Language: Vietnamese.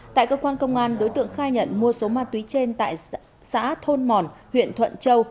tại cơ quan công an đối tượng khai nhận mua số ma túy trên tại xã thôn mòn huyện thuận châu